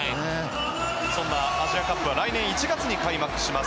そんなアジアカップは来年１月に開幕します。